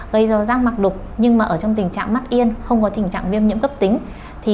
gây ra rác mạc đục nhưng mà ở trong tình trạng mắt yên không có tình trạng viêm nhiễm cấp tính